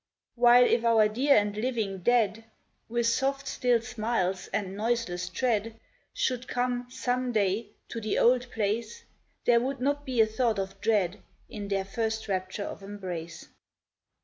While if our dear and living dead, With soft, still smiles and noiseless tread, Should come, some day, to the old place, There would not be a thought of dread In their first rapture of embrace